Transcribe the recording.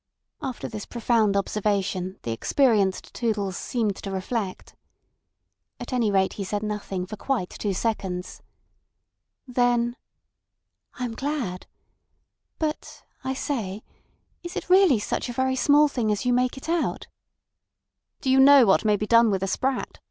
After this profound observation the experienced Toodles seemed to reflect. At any rate he said nothing for quite two seconds. Then: "I'm glad. But—I say—is it really such a very small thing as you make it out?" "Do you know what may be done with a sprat?"